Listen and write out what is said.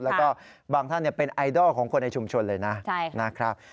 แล้วก็บางท่านเป็นไอดอลของคนในชุมชนเลยนะครับ